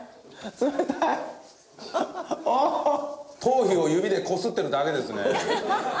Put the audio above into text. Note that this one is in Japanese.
頭皮を指でこすってるだけですね。